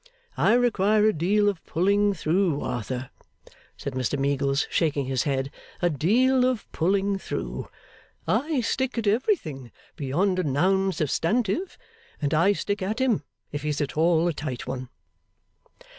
I require a deal of pulling through, Arthur,' said Mr Meagles, shaking his head, 'a deal of pulling through. I stick at everything beyond a noun substantive and I stick at him, if he's at all a tight one.